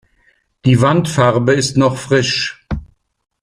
Die Wandfarbe ist noch frisch.